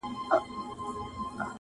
• منصور دا ځلي د دې کلي ملا کړو..